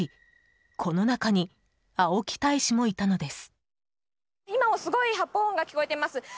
この中に青木大使もいたのです。